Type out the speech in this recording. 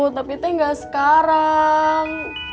tapi tinggal sekarang